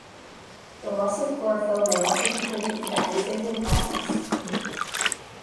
The loss of chlorophyll may also contribute to the abscission process.